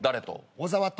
小沢と。